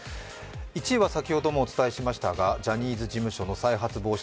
１位は先ほどもお伝えしましたがジャニーズ事務所の再発防止